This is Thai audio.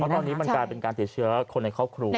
ตอนนี้มันกลายเป็นการติดเชื้อคนในครอบครัว